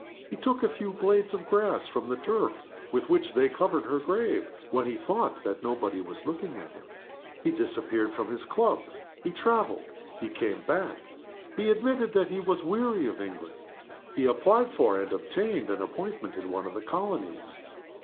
He took a few blades of grass from the turf with which they covered her grave when he thought that nobody was looking at him. He disappeared from his club. He traveled. He came back. He admitted that he was weary of England. He applied for, and obtained, an appointment in one of the colonies.